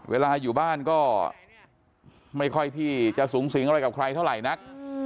เวลาอยู่บ้านก็ไม่ค่อยที่จะสูงสิงอะไรกับใครเท่าไหร่นัก